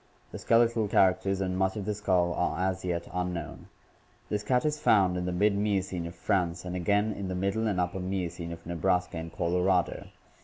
The skeletal characters and much of the skull are as yet unknown. This cat is found in the mid Miocene of France and again in the Middle and Upper Miocene of Nebraska and Colorado.